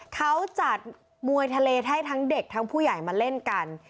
เขาจัดมวยทะเลให้ทั้งเด็กทั้งผู้ใหญ่มาเล่นกัน